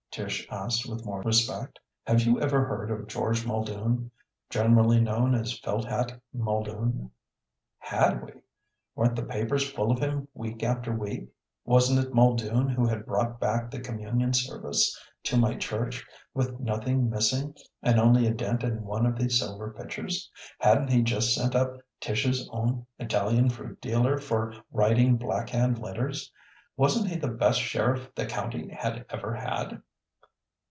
Tish asked with more respect. "Have you ever heard of George Muldoon, generally known as Felt hat Muldoon?" Had we? Weren't the papers full of him week after week? Wasn't it Muldoon who had brought back the communion service to my church, with nothing missing and only a dent in one of the silver pitchers? Hadn't he just sent up Tish's own Italian fruit dealer for writing blackhand letters? Wasn't he the best sheriff the county had ever had?